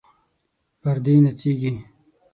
پردې نڅیږي